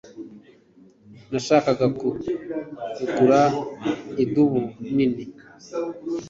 nashakaga kugura idubu nini yuzuye mu iduka rya ken, ariko ntabwo ryagurishijwe